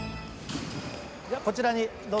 こちらにどうぞ。